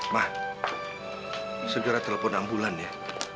ma segera telepon ambulan ya